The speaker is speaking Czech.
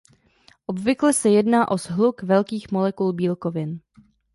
Obvykle se jedná o shluk velkých molekul bílkovin.